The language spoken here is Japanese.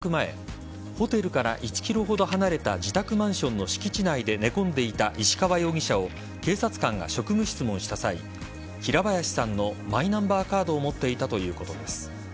捜査関係者によりますと事件発覚前ホテルから１ｋｍほど離れた自宅マンションの敷地内で寝込んでいた石川容疑者を警察官が職務質問した際平林さんのマイナンバーカードを持っていたということです。